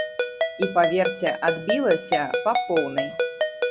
І паверце, адбілася па поўнай.